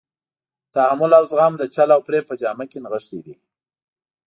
تحمل او زغم د چل او فریب په جامه کې نغښتی دی.